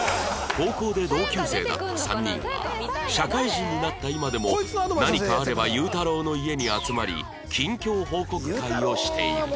高校で同級生だった３人は社会人になった今でも何かあれば祐太郎の家に集まり近況報告会をしている